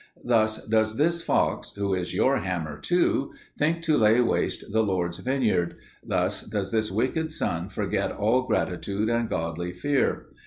Thus does this fox who is your hammer too think to lay waste the Lord's vineyard; thus does this wicked son forget all gratitude and godly fear.